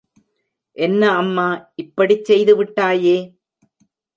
என்ன அம்மா, இப்படிச் செய்து விட்டாயே!